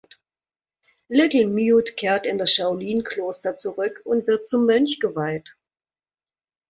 Little Mute kehrt in das Shaolin-Kloster zurück und wird zum Mönch geweiht.